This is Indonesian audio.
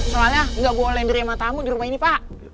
soalnya gak boleh dirima tamu di rumah ini pak